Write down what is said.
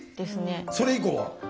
それ以降は？